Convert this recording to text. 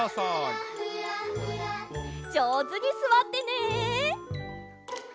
じょうずにすわってね！